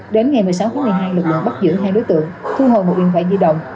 đến ngày một mươi sáu tháng một mươi hai lực lượng bắt giữ hai đối tượng thu hồi một điện thoại di động